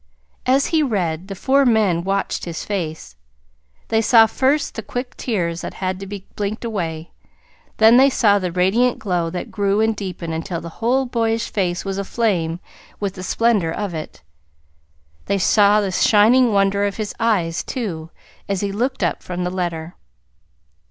As he read, the four men watched his face. They saw first the quick tears that had to be blinked away. Then they saw the radiant glow that grew and deepened until the whole boyish face was aflame with the splendor of it. They saw the shining wonder of his eyes, too, as he looked up from the letter.